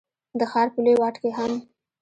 د ښار په لوی واټ کي هم،